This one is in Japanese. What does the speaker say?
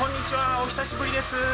お久しぶりです。